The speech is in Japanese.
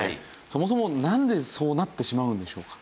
そもそもなんでそうなってしまうんでしょうか？